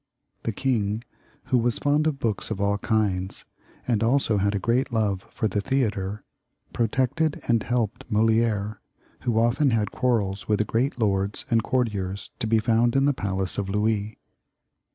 The king, who was fond of books of all kinds, and also had a great love for the theatre, protected and helped Moli^re, who often had quarrels with the great lords and courtiers to be found in the palace of Louis.